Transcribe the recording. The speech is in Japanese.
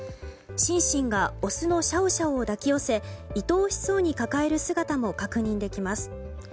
シンシンがオスのシャオシャオを抱き寄せ、いとおしそうに抱える姿も確認できます。